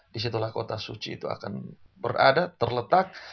disitulah kota suci itu akan berada terletak